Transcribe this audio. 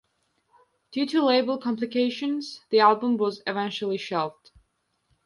Due to label complications, the album was eventually shelved.